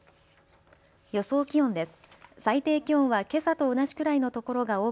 予想気温です。